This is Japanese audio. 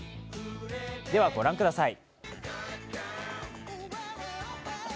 では御覧ください。